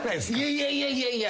いやいやいやいや。